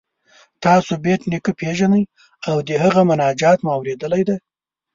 تاسو بېټ نیکه پيژنئ او د هغه مناجات مو اوریدلی دی؟